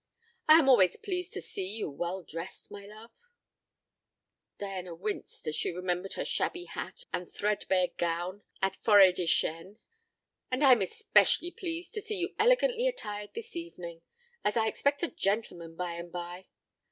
I am always pleased to see you well dressed, my love" Diana winced as she remembered her shabby hat and threadbare gown at Fôretdechêne "and I am especially pleased to see you elegantly attired this evening, as I expect a gentleman by and by."